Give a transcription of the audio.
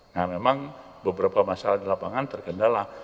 nah memang beberapa masalah di lapangan terkendala